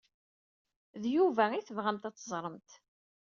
D Yuba ay tebɣamt ad teẓremt.